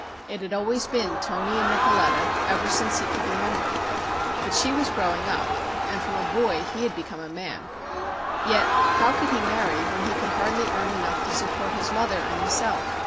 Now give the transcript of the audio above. It had always been "Toni" and "Nicoletta" ever since he could remember. But she was growing up, and from a boy he had become a man. Yet how could he marry when he could hardly earn enough to support his mother and himself?